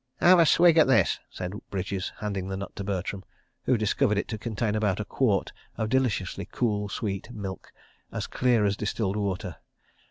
"Have a swig at this," said Bridges, handing the nut to Bertram, who discovered it to contain about a quart of deliciously cool, sweet "milk," as clear as distilled water.